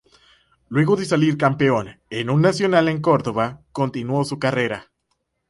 Luego de salir campeón en un Nacional en Córdoba, continuó su carrera.